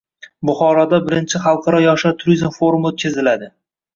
Buxoroda "I Xalqaro yoshlar turizm forumi" o‘tkaziladi